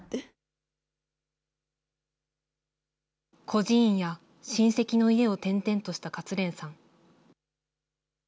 孤児院や親戚の家を転々とした勝連さん。